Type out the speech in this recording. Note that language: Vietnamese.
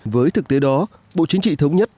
với thực tế đó bộ chính trị thống nhất